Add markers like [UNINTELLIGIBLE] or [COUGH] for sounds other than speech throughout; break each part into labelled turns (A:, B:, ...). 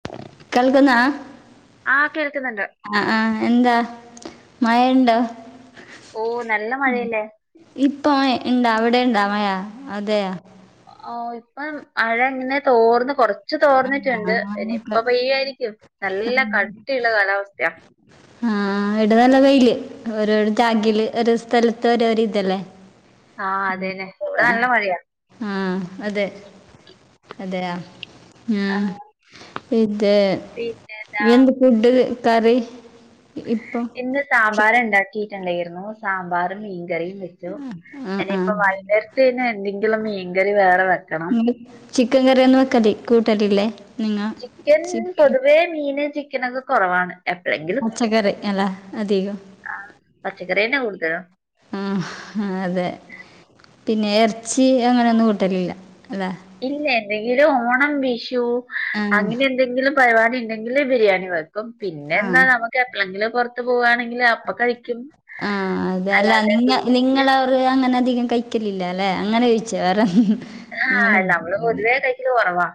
A: [UNINTELLIGIBLE]
B: കേൾക്കുന്നാ
A: ആഹ് കേൾക്കുന്നുണ്ട്
B: ആഹ് ആഹ് എന്താ മയണ്ടോ
A: ഓഹ് നല്ല മഴയല്ലെ
B: ഇപ്പോ എ ഇണ്ടോ അവിടെ ഇണ്ടോ മയ അതെയാ.
A: ഓഹ് ഇപ്പം മഴ ഇങ്ങനെ തോർന്ന് കൊറ ച്ച്
B: ആ,
A: തോർന്നിട്ട്ണ്ട്. ഇനി
B: നമുക്ക്.
A: ഇപ്പ പെയ്യു ആയിരിക്കും നല്ല കട്ടിയുള്ള കാലാവസ്ഥയാ
B: ആഹ് ഇവിടെ നല്ല വെയില്. ഓരോരോ [UNINTELLIGIBLE] ഒരോ സ്ഥലത്ത് ഓരോരോ ഇതല്ലെ
A: ആഹ് അതെന്നെ ഇവിടെ നല്ല മഴയാ
B: ആഹ് അതെ അതെയാ ങ്
A: ആഹ്
B: ഹാ ഇത്
A: പിന്നെന്താ?
B: എന്ത് ഫുഡ് കറി ഇപ്പം
A: ഇന്ന് സാമ്പാർ ഇണ്ടാക്കിട്ട്ണ്ടേര്ന്നു സാമ്പാർ മീൻ കറിയും വെച്ചു
B: ആ ആ
A: ഇനിയിപ്പം വൈകുന്നേരത്ത് എന്തെങ്കിലും മീൻകറി വേറെ വെക്കണം
B: നിങ്ങൾ ചിക്കൻ കറിയൊന്നും വെക്കത്തി കൂട്ടത്തില്ലേ?
A: ചിക്കൻ പൊതുവേ മീന് ചിക്കനൊക്കെ കൊറവാണ്. എപ്പഴെങ്കിലും.
B: പച്ചക്കറി അല്ലെ അധികം?
A: ആഹ് പച്ചക്കറിയന്നെ കൂടുതല്
B: ആഹ് അതെ പിന്നെ എർച്ചി അങ്ങനൊന്നും കൂട്ടലില്ല ല്ലേ?
A: ഇല്ല എന്തെങ്കിലും ഓണം വിഷു
B: ആ
A: അങ്ങനെ എന്തെങ്കിലും പരിപാടിണ്ടെങ്കില് ബിരിയാണി വെ ക്കും പിന്നെ
B: ആ
A: എന്താ നമുക്ക് എപ്പളെങ്കിലും പൊറത്ത് പോവാണെങ്കില് അപ്പ കഴിക്കും. അല്ലാതെ വീട്ടില്
B: അങ്ങനധികം കഴിക്കലില്ലാല്ലെ? അങ്ങനെ കഴിച്ചു വേറെ
A: ആഹ് അല്ലമ്മള് പൊതുവേ കഴിക്കല് കൊറവാ.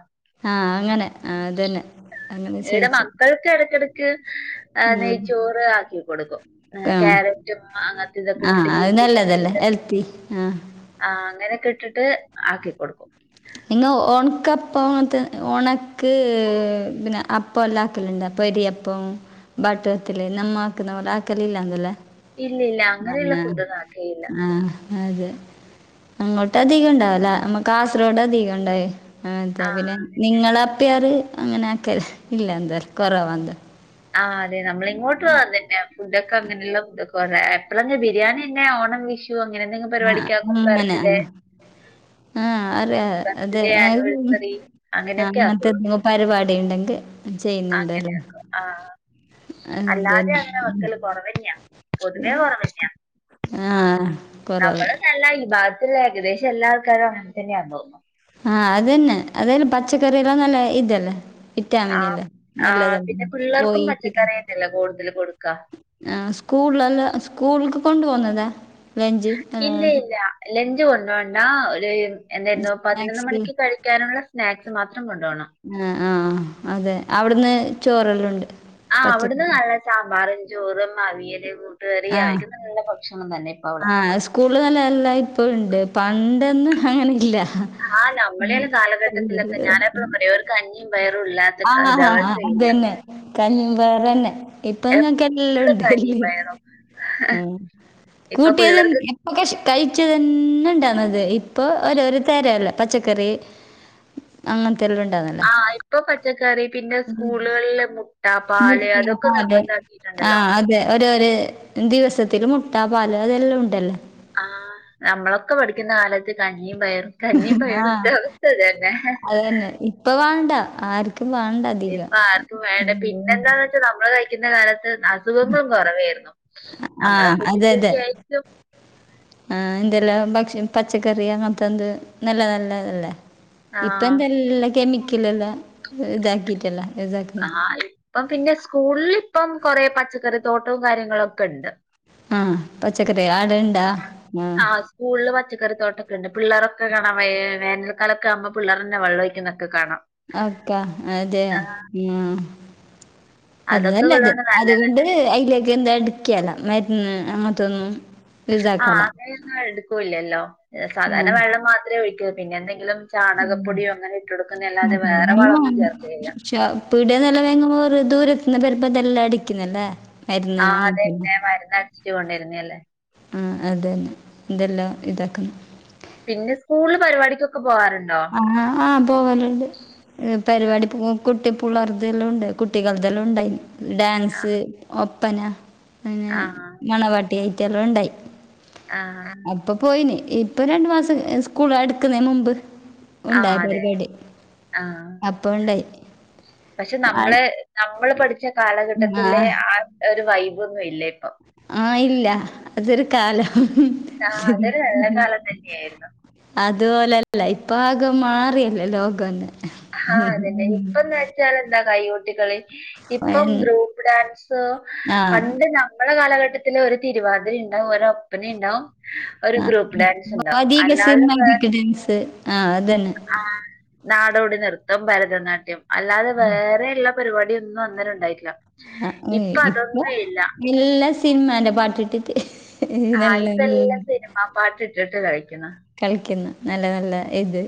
B: ആഹ് അങ്ങനെ. ആ അതന്നെ അങ്ങനെ
A: ഇവിടെ
B: ചോദിച്ചു
A: മക്കൾക്ക് എടക്കെടക്ക് ആഹ്
B: ഉം
A: നെയ്ച്ചോറ് ആക്കി കൊടുക്കും ഏഹ്
B: ആ
A: കാരറ്റും അങ്ങനത്തെ ഇതൊക്കെ
B: ആ
A: ഇട്ടിട്ട് ഗ്രീൻ
B: അത്
A: പീസൊക്കെ
B: നല്ലതല്ലേ
A: ഇട്ടിട്ട്
B: ഹെൽത്തി ആ
A: ആഹ് അങ്ങനെക്കെ ഇട്ടിട്ട് ആക്കി കൊടുക്കും
B: നിങ്ങ ഒൺക്കപ്പോണത്തിന് ഒണക്ക് പിന്നെ അപ്പൊല്ലാക്കല്ണ്ടോ പ്പൊടിയപ്പോം ബട്ടത്തില് നമ്മ ആക്കുന്ന പോലെ ആക്കല്ല്ലാന്ന്ല്ലേ?
A: ഇല്ല ഇല്ല അങ്ങനെയുള്ള
B: തന്നെ
A: ഫുഡൊന്നും ആക്കിയില്ല
B: ആഹ്. അതെ അങ്ങോട്ട് അധികം ഇണ്ടാവുല്ല നമ്മ കാസർഗോഡ് അധികം ഇണ്ടാവേ. അങ്ങൻത്തെ
A: ആ
B: പിന്നെ നിങ്ങള അപ്പിയാറ് അങ്ങനെ ആക്കല് ഇല്ല എന്താ കൊറവാ എന്താ
A: ആഹ് അതെ നമ്മളിങ്ങോട്ടും അതന്നെയാ ഫുഡക്കെ അങ്ങനെയൊന്നും കൊറെ എപ്പളങ്കി ബിരിയാണിന്നെ ഓണം, വിഷു അങ്ങനെ എന്തെങ്കിലും
B: ആഹ്
A: പരിപാടിക്കാക്കും.
B: അങ്ങനെ
A: ബർത്ത്ഡേ
B: അങ്ങനെ ആഹ് അറിയ അത്
A: ബർത്ത്ഡേ
B: ആഹ്
A: ആനിവേഴ്സറി അങ്ങനെയൊക്കെ
B: അങ്ങത്തെ
A: ആക്കുള്ളൂ.
B: പരിവാടിണ്ടെങ്കി ചെയ്യുന്നുന്തേലും.
A: അങ്ങനെയാക്കും. ആഹ്, അല്ലാതെ അങ്ങനെ
B: തന്നെ
A: വക്കല് കൊറവന്നെയാ പൊതുവേ കൊറവന്നെയാ.
B: ആഹ് കൊറവ്
A: നമ്മള്ന്നല്ല ഈ ഭാഗത്ത്ള്ള ഏകദേശം എല്ലാ ആൾക്കാരും അങ്ങൻതന്നെയാന്ന് തോന്നുന്നു.
B: ആഹ് അതന്നെ. അല്ലേലും പച്ചക്കറി എല്ലാം നല്ല ഇതല്ലേ?
A: ആഹ്
B: വിറ്റാമിനല്ലേ
A: ആഹ്
B: നല്ലതല്ലേ?
A: പിന്നെ പിള്ളേർക്കും
B: കോയി പിന്നെ
A: പച്ചക്കറിയന്നല്ലേ കൂടുതല് കൊടുക്കാ?
B: ആഹ് സ്കൂള്ല്ലാം സ്കൂൾക്ക് കൊണ്ട് പോന്നതോ?
A: ഇല്ല ഇല്ല ലഞ്ച് കൊണ്ടോണ്ട ഒരു എന്തായിരുന്നു പതിനൊന്ന്
B: സ്നാക്സ്
A: മണിക്ക് കഴിക്കാനുള്ള സ്നാക്സ് മാത്രം കൊണ്ടു പോണം.
B: ആഹ് ആഹ് അതെ അവിടുന്ന് ചോറെല്ലോണ്ട്?
A: ആഹ് അവിടുന്ന് നല്ല സാമ്പാറും ചോറും അവിയല്, കൂട്ടുകറി
B: ആഹ്
A: അവ്ട്ന്ന് നല്ല ഭക്ഷണം തന്നെ. അവിടെ
B: ആഹ് സ്കൂള്ല് നല്ലല്ല ഇപ്പൊ ഇണ്ട്. പണ്ടന്നും അങ്ങനെ ഇല്ല.
A: ആ നമ്മളെല്ലാം കാലഘട്ടത്തിലൊക്കെ ഞാനെപ്പോഴും പറയും ഒരു
B: [UNINTELLIGIBLE]
A: കഞ്ഞിയും പയറും ഇല്ലാത്ത
B: ആഹ്
A: ക-
B: ആഹ് ആഹ്
A: ദിവസേ
B: അത്
A: ഇല്ല
B: തന്നെ കഞ്ഞീ പയറന്നെ ഇപ്പ ഇങ്ങക്ക് എല്ലാം
A: എപ്പോഴും
B: ഉണ്ട്ല്ലേ?
A: കഞ്ഞിയും പയറും
B: ഉം
A: ഇപ്പൊ
B: കൂട്ട്കറി
A: പിള്ളേർക്ക്
B: ഇപ്പൊക്കൊ കഴിച്ചതന്നെണ്ടാന്നത്. ഇപ്പൊ ഓരോര് തരല്ലോ? പച്ചക്കറി അങ്ങത്തെ നത്തെ എല്ലാം
A: ആഹ് ഇപ്പൊ പച്ചക്കറി പിന്നെ സ്കൂളുകളില് മു
B: [UNINTELLIGIBLE] ആതെ ആഹ് അതെ ഒരോര് ദിവസത്തില് മുട്ട, പാല് അതെല്ലോം ഉണ്ടല്ലോ?
A: ആഹ് ഞമ്മളൊക്കെ പഠിക്കുന്ന കാലത്ത് കഞ്ഞിയും പയറും കഞ്ഞീം പയറും ന്റെ അവസ്ഥതന്നെ.
B: അത് തന്നെ ഇപ്പ വാണ്ട ആർക്കും വാണ്ടല്ലോ
A: ഇപ്പൊ ആർക്കും വേണ്ട പിന്നെന്താന്ന് ച്ചാ നമ്മള് കഴിക്കുന്ന കാലത്ത് അസുഖങ്ങളും കൊറവേന്നു. നമ്മളെ
B: ആഹ്
A: ഫുഡിന്റൊക്കെ ആയിരിക്കും.
B: ആഹ് എന്തെല്ലാം ഭക്ഷ പച്ചക്കറി അങ്ങനത്തെന്ത് നല്ല നല്ലനല്ലല്ലേ? ഇപ്പ
A: ആഹ്
B: എന്തല്ലാ കെമിക്കൽ എല്ലാം ഇതാക്കിട്ടല്ലേ ഇത
A: ആ ഇപ്പം പിന്നെ സ്കൂളിൽ ഇപ്പം കൊറേ പച്ചക്കറി തോട്ടവും കാര്യങ്ങളൊക്കെണ്ട്.
B: ആഹ് പച്ചക്കറിയ ആടുണ്ടാ ഉം
A: ആഹ് സ്കൂളിൽ പച്ചക്കറി തോട്ടൊക്കെണ്ട് പിള്ളേരൊക്കെ കാണാം വേ വേനൽക്കാലൊക്കെ ആവുമ്പോ പിള്ളേർന്നെ വെള്ളൊക്കെഴിക്കുന്നൊക്കെ കാണാം.
B: അക്കാ അതെയ ഉം അത്
A: അതൊക്കെ
B: നല്ലത്
A: ഉള്ളോണ്ട് നല്ലത്
B: അതുകൊണ്ട് അതിലേക്കെ എന്താ അടുക്കാല മരുന്ന് അങ്ങത്തൊന്നും.
A: ആഹ് അങ്ങനെയൊന്നും എടുക്കൂല്ലല്ലോ
B: ആ
A: സാധാരണ വെള്ളം മാത്രമേ ഒഴിക്കൂ പിന്നെ എന്തെങ്കിലും ചാണകപ്പൊടിയോ അങ്ങനെ ഇട്ട് കൊടുക്കുന്ന അല്ലാതെ വേറെ വളമൊന്നും ചേർക്കിലില്ല.
B: പക്ഷ പീട്യേ നല്ല വേങ്ങുമ്പോ ദൂരത്ത നിന്ന് വരുമ്പോതെല്ലാം അടിക്കുന്നല്ലേ? മരുന്ന്
A: ആഹ്
B: അങ്ങനത്തെ
A: അതെന്നെ മരുന്ന് അടിച്ചിട്ട് കൊണ്ടിരുന്ന അല്ലേ?
B: അഹ് അതന്നെ ഇതെല്ലാം ഇതാക്കുന്നു.
A: പിന്നെ സ്കൂളിൽ പരിപാടിക്കൊക്കെ പോവാറുണ്ടോ?
B: ആഹ് ആഹ് പോവലുണ്ട് പരിപാടി പോ കുട്ടിപ്പ് കുളർതെല്ലാം ഉണ്ട് കുട്ടികളതെല്ലാം ഉണ്ടായി ഡാൻസ് ഒപ്പന. അന്നെ
A: ആഹ്
B: മണവാട്ടിഐറ്റെല്ലാം ഉണ്ടായി.
A: ആഹ്
B: ഇപ്പോ പോയിന് ഇപ്പം രണ്ട് മാസം സ്കൂളടക്കുന്നതിന് മുമ്പ്. ഉണ്ടായ
A: ആഹ് അതെ
B: പരിപാടി
A: ആഹ്
B: അപ്പം ഉണ്ടായി
A: പക്ഷെ
B: ആഹ്
A: നമ്മളെ നമ്മള് പഠിച്ച കാലഘട്ടത്തിലെ ആ ഒരു വൈബൊന്നും ഇല്ല ഇപ്പൊ.
B: ആഹ് ഇല്ല അതൊരു കാലം.
A: ആഹ് അതൊരു നല്ല കാലം തന്നെയ ആയിരുന്നു.
B: അതുപോലെല്ല ഇപ്പൊ ആകെ മാറിയല്ലേ ലോകന്നേ
A: ആഹ് അത് ന്നേ ഇപ്പൊന്ന് എന്താ കൈകട്ടികള് ഇപ്പം ഗ്രൂപ്പ് ഡാൻസ്
B: ആഹ്
A: പണ്ട് ഞ നമ്മുടെ കാലഘട്ടത്തിൽ ഒരു തിരുവാതിര ഇണ്ടാവും ഒര് ഒപ്പന ഇണ്ടാവും.
B: ആഹ് ബാഗീ [UNINTELLIGIBLE] അധിക
A: അല്ലാതെ
B: സിനിമക്ക് ഡാൻസ് ആഹ് അതന്നെ.
A: ആഹ് നാടോടി നൃത്തം ഭരതനാട്യം അല്ലാതെ വേറെ എല്ലോം പരിപാടിയൊന്നും അന്നേരം ഉണ്ടായിട്ടില്ല.
B: ആഹ് ഇപ്പൊ
A: അതൊന്നും ഇല്ല
B: എല്ലാ സിനിമന്റെ പാട്ട് ഇട്ടിട്ട്. ഇഈ നല്ലല്ലേ
A: ആഹ് പാട്ട് ഇട്ടിട്ട് കളിക്കുന്ന.
B: കളിക്കുന്ന് നല്ല നല്ല ഇത്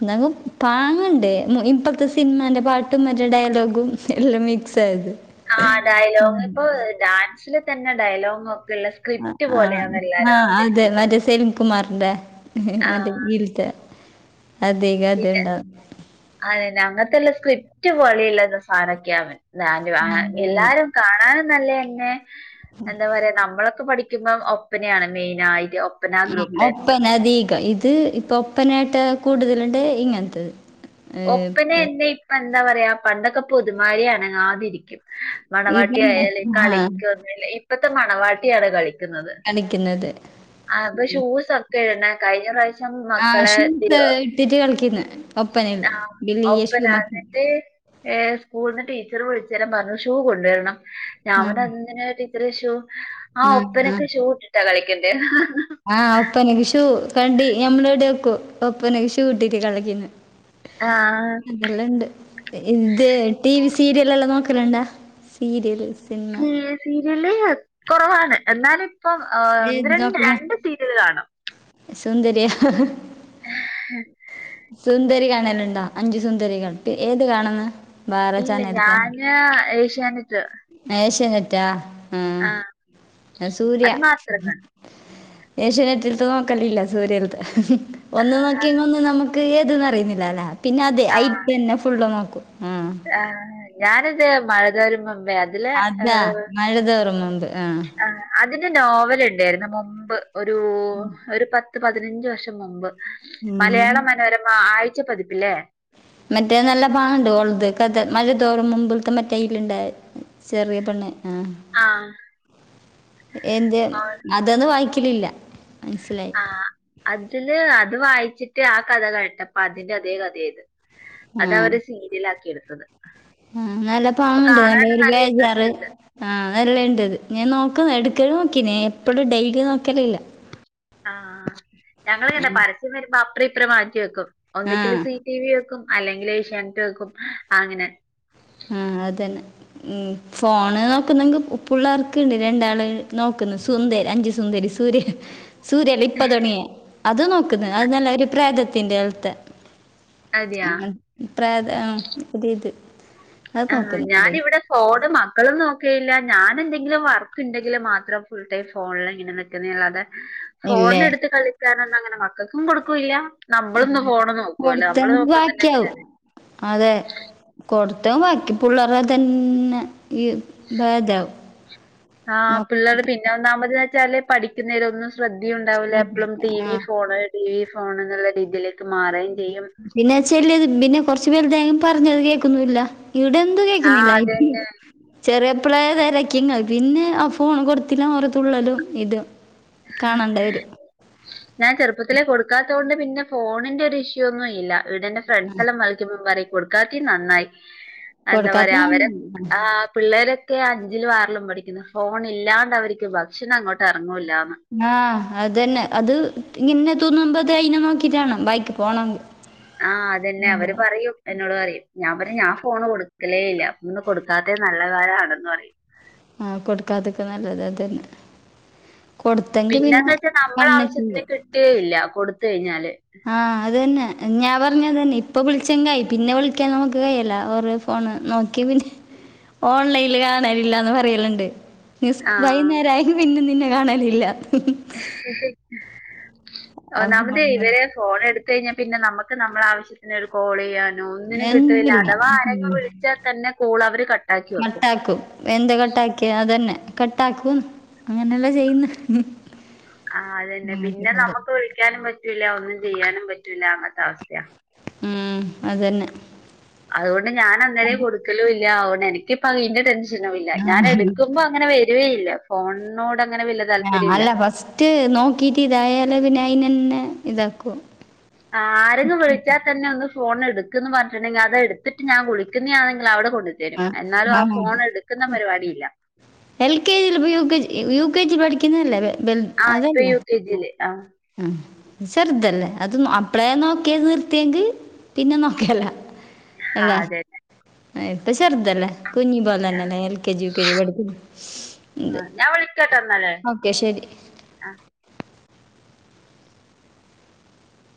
B: എന്നിലും കാണണ്ടേ ഇപ്പഴത്തെ സിനിമാൻ്റെ പാട്ടും മറ്റേ ഡയലോഗും എല്ലാം മിക്സ് ആയത്-
A: ആഹ് ഡയലോഗ് പ്പ് ഡാൻസില് തന്നെ ഡയലോഗ് ള്ള
B: ആ
A: സ്ക്രിപ്റ്റ് പോലെയാണ് എല്ലാരും അവതരിപ്പിക്കുന്നേ-
B: ക്കമാറിന്റെ മറ്റേ ൽത്തെ അതേക അതേ
A: പിന്നെ
B: ഉണ്ടാവും.
A: അതന്നെ അങ്ങനത്തെല്ല സ്ക്രിപ്റ്റ് പൊലേ യില്ലെ സാനക്കെണ് ഞ
B: ആ, അതന്നെ
A: എല്ലാരും കാണാനും നല്ലന്നെ എന്താ പറയാ നമ്മളൊക്കെ പഠിക് ക്കുമ്പോ ഒപ്പനയാണ് മെയിനായിട്ട് ഒ
B: ആ ഒപ്പന അധീക ഇത് ഇപ്പൊ ഒപ്പനായിട്ട് കൂടുതലുണ്ട് ഇങ്ങനത്തെത്.
A: ഒപ്പന എന്നെ ഇപ്പൊ എന്താ പറയാ പണ്ടൊക്കെ പൊതുമാരി അനങ്ങാതിരിക്കും.
B: ഇതന്നെ
A: മണവാട്ടിയായാല്
B: ആഹ്
A: കളിക്കൊന്നില്ല ഇപ്പത്തെ മണവാട്ടിയാണ് കളി ക്കുന്നത്
B: കളിക്കുന്നത്
A: അ ഇപ്പ ഷൂസർക് യ്യന്നേകഴിഞ്ഞ പ്രാവാശ് ക്കം മക്കളെ തിരുവ
B: തിരുകളിക്കുന്ന ഒപ്പനയിൽ
A: ഒപ്പന
B: ബലിയശുമ
A: എന്നിട്ട് ഏഹ് സ്കൂളന്ന് ടീച്ചർ വിളിച്ചല്ലാം പറഞ്ഞു ഷൂ കൊണ്ടുവരണം ഞപറഞ്ഞ്
B: ആഹ്
A: എന്തിന ടീ ച്ചറേ ഷൂ ആഹ് ഒപ്പനക്ക് ഷൂ ഇട്ടിട്ടാ കളിക്കണ്ടേ
B: ആഹ് ഒപ്പനക്ക് ഷൂ കണ്ടി ഞമ്മളോടെ വെക്കു ഒപ്പനക്ക് ഷൂ ഇട്ടിട്ട് കളിക്കന്ന്.
A: ആഹ്
B: ഇതെല്ലാണ്ട് ഇത് ടീവി സീരിയലെല്ലാം നോക്കലുണ്ടാ സീരിയൽ സിനിമ
A: ഈ സീരിയല് കൊറവാണ് എന്നാലിപ്പം ഒന്ന്
B: ഏത്
A: രണ്ട്
B: നോക്കുന്ന
A: രണ്ട് സീരിയല് കാണും
B: സുന്ദരിയാ
A: [INAUDIBLE]
B: സുന്ദരി കാണലുണ്ടോ അഞ്ചു സുന്ദരികൾ പി ഏത് കാണുന്ന
A: ഇല്ല ഞാന് ഏഷ്യാനെറ്റ്
B: ഏഷ്യാനെറ്റാ ആഹ് ഞാ സൂര്യ
A: അത് [UNINTELLIGIBLE]
B: ഏഷ്യനെറ്റിൽത്ത് നോക്കലില്ല സൂര്യേലത്തെ ഒന്ന് നോക്കിയങ്ക ഒന്നും നമുക്ക് ഏത്ന്ന് അറിയുന്നില്ലാല്ല പിന്നെ അതെ ഐ ഇതന്നെ ഫുള്ള് നോക്കും ആഹ്
A: ആ ഞാനിത് മഴതോരും മുമ്പേ അതില് ആ,
B: അതാ മഴതോരും മുമ്പ് ആഹ്
A: അതിന്റെ നോവലിണ്ടായിരുന്നു മുമ്പ് ഒരു ഒരു പത്ത് പതിനഞ്ച് വർഷം മുമ്പ്
B: ഉം.
A: മലയാള മനോരമ ആഴ്ച പതിപ്പില്ലേ
B: മറ്റേ നല്ല പാന്റ് പോലത്തെ [UNINTELLIGIBLE] മഴ തോറും മുമ്പിലത്തെ മറ്റേയ്ൽ ഉണ്ടായി. ചെറിയ പെണ്ണ് ആഹ്
A: ആഹ്
B: എന്ത് അതൊന്നും വായിക്കലില്ല മനസ്സിലായി
A: ആഹ് അതില് അത് വായിച്ചിട്ട് ആ കഥ കേട്ടപ്പ അതിന്റെ അതേ കഥയാത് അതവര് സീരിയലാക്കി എടുത്തത്
B: ഉം നല്ല
A: അപ്പൊ
B: പാങ്ങണ്ട്
A: കാണാനും
B: നല്ലോരു
A: നല്ല
B: ബേജാറ്
A: ഇൻട്രസ്റ്റ് ഉണ്ട്
B: ആഹ് നല്ലായിണ്ട്ത് ഞാൻ നോക്കും എടക്ക് നോക്കിനീ എപ്പഴും ഡെയ്ലി നോക്കലില്ല
A: ആഹ് ഞങ്ങള് കണ്ട പരസ്യം വരുമ്പോ അപ്രം ഇപ്രം മാറ്റി വെക്കും
B: ആ
A: ഒന്നിക്കില് സീ ടി വി വെക്കും അല്ലെങ്കിൽ ഏഷ്യാനറ്റ് വെക്കും ആ അങ്ങനെ
B: ആഹ് അതന്നെ ഉം ഫോണ് നോക്കുന്നെങ്കി പുള്ളാർക്ക്ണ്ട് രണ്ടാള് നോക്ക്ന്നു സുന്ദരി അഞ്ച് സുന്ദരി സൂര്യേലെ സൂര്യേല ഇപ്പ തൊടങ്ങിയെ അത് നോക്ക്ന്ന് അത് നല്ല ഒരു പ്രേതത്തിന്റെ പോലത്തെ
A: അതെയാ
B: ആഹ് പ്രേത ആഹ് ഒരിത്
A: ആഹ് ഞാനിവിടെ ഫോണ് മക്കളും നോക്കയില്ല ഞാനെന്തെങ്കിലും വർക്ക് ഇണ്ടെങ്കില് മാത്രം ഫുൾ ടൈം ഫോണിലിങ്ങനെ നിക്കുന്ന അല്ലാതെ
B: ഇല്ലേ
A: ഫോണെടുത്ത് കളിക്കാനൊന്നും അങ്ങനെ മക്കക്കും കൊടുക്കൂല്ല നമ്മളിന്ന് ഫോണ് നോക്കുവല്ലോ നമ്മള്
B: കൊടുത്തെങ്കി
A: നോക്കുന്നുണ്ടെങ്കിലല്ലേ
B: അതെ കൊടുത്തും ബാക്കി പുള്ളേരെ തന്നെ ഈ. [UNINTELLIGIBLE]
A: ആഹ് പിള്ളേർ പിന്നെ ഒന്നാമതിന്ന് വെച്ചാല് പഠിക്കുന്നേലൊന്നും ശ്രദ്ധയുണ്ടാവില്ല എപ്പളും ടീവി
B: ആ
A: ഫോണ് ടീവി ഫോണ് എന്നുള്ള രീതിയിലേക്ക് മാറേം ചെയ്യും
B: പിന്നെ ചെല്ലത് പിന്നെ കൊറച്ചു വൽതായാലും പറഞ്ഞാത് കേക്കൊന്നുമില്ല ഇവിടെന്തും
A: ആഹ്
B: കേക്കുന്നില്ല
A: അതന്നെ.
B: ചെറിയപ്പളെ തെരക്കിങ്ങ പിന്നെ ആ ഫോൺ കൊടുത്തില്ല പറഞ്ഞ് തുള്ളലും ഇതും കാണണ്ട വരും
A: [INAUDIBLE] ഞാൻ ചെറുപ്പത്തിലേ കൊടുക്കാത്ത കൊണ്ട് പിന്നെ ഫോണിന്റെ ഒരു ഇഷ്യൂ ഒന്നും ഇല്ല വീടിന്റെ ഫ്രണ്ട്സ് എല്ലാം വളിക്കുമ്പോ പറയ്യ് കൊടുക്കാത്തെ നന്നായി എന്താ
B: കൊടുക്കാത്ത
A: പറയാ
B: നന്നായി.
A: അവരെ ആഹ് പിള്ളേരെ ഒക്കെ അഞ്ചിലും ആറിലും പഠിക്കുന്നു ഫോൺ ഇല്ലാണ്ട് അവർക്ക് ഭക്ഷണം അങ്ങോട്ട് ഇറങ്ങൂില്ലന്ന്
B: ആഹ് അതെന്നെ അത് ഇങ്ങനെ തുന്നുമ്പത്തെ അയിന് നോക്കിട്ടാണ് വഴിക്ക് പോണത്.
A: ആഹ് അതന്നെ അവര് പറയും എന്നോട് പറയും ഞാൻ പറയും ഞാൻ ഫോണ് കൊടുക്കലേ ഇല്ല ഇന്ന് കൊടുക്കാത്തേ നല്ല കാലാണന്ന് പറയും
B: ആഹ് കൊടുക്കാത്തൊക്കെ നല്ലത് അതന്നെ
A: പിന്നെന്ന് വെച്ചാ നമ്മളെ
B: വന്നിട്ടുണ്ട്
A: ആവശ്യത്തിന് കിട്ടുവെ ല്ല കൊടുത്തു കഴിഞ്ഞാല്
B: ആഹ് അതന്നെ ങ്ങാ പറഞ്ഞതന്നെ ഇപ്പൊ വിളിച്ചങ്കെ ആയി പിന്നെ വിളിക്കാൻ നമുക്ക് കൈയല്ല ഓരോ ഫോൺ നോക്കിയൊക്കെ ചെയ്യും ഓൺലൈനില് കാണലില്ലാ ന്ന് പറയലുണ്ട്. [UNINTELLIGIBLE]
A: ആഹ്
B: വൈന്നേരം ആയങ്ക പിന്നെ നിന്നെ കാണാലില്ല.
A: ഹു ഹ്
B: അപ്പൊ
A: ഒന്നാമതേയ് ഇവരെ ഫോൺ എടുത്തഴിഞ്ഞാ പിന്നെ നമുക്ക് നമ്മൾ ആവശ്യ പിന്നൊരു കോൾ ചെയ്യാനോ ഒന്നിനും കിട്ടല്ല
B: എന്തില്ല
A: അഥവാ ആരങ്ങും
B: ഉം
A: വിളിച്ചാൽ തന്നെ കോൾ അവര് കട്ടാക്കി വെക്കും.
B: ന്തേയ്‌ കട്ടാക്കിയെ അതന്നെ കട്ടാക്കും അങ്ങനെല്ലാം ചെയ്യുന്നു.
A: ആ അതന്നെ പിന്നെ നമുക്ക് വിളിക്കാനും പറ്റൂല്ല ഒന്നും ചെയ്യാനും പറ്റൂല്ല അങ്ങത്തെ അവസ്ഥയാ
B: ഉം അതന്നെ
A: അതുകൊണ്ട് ഞാന ന്നേരം കൊടുക്കലും ഇല്ല അതൊണ്ട് എനിക്കിപ്പ അതിന്റെ ടെൻഷ ഷനൂല ഞാൻ എടുക്കുമ്പോ അങ്ങനെ വരുവയില്ല ഫോണോട് അങ്ങനെ വല്യ
B: ആഹ്
A: താല്പര്യം ഇല്ല
B: അല്ല ഫസ്റ്റ് നോക്കീട്ട് ഇതായാലെ പിന്നെ അയിനന്നെ ഇതാക്കും.
A: ആരെങ്കും വിളിച്ചാ തന്നെ ഒന്ന് ഫോൺ എടുക്ക് ന്ന് പറഞ്ഞി ട്ടുണ്ടെങ്കി അത് എടുത്തിട്ട് ഞാൻ വിളിക്കുതാണെങ്കിൽ അവിടെ കൊണ്ട് ത രും എന്നാലോ ആ ഫോൺ എടുക്കുന്ന പരിപാടിയില്ല
B: എൽ കെ ജി പ്പൊ U K G U K G പഠിക്കുന്നതല്ലേ ബൽ
A: ആ ഇപ്പൊ
B: അതല്ലേ?
A: യു കെ ജി ല് ആഹ്
B: ആഹ് ചെറുതല്ലേ അത് അപ്പളേ നോക്കിയത് നിർത്തിയെങ്കിൽ പിന്നെ നോക്കല്ല അല്ലേ
A: അതെ
B: ഇപ്പൊ ചെറുതല്ലേ കുഞ്ഞി പോലന്നെല്ലേ L K G U K G പഠിക്കുന്നു
A: ആ ഞാൻ വിളിക്കാട്ടോ ന്നാ ല്
B: ഓക്കെ ശരി